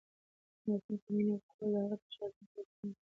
ماشوم ته مینه ورکول د هغه د شخصیت په وده کې مرسته کوي.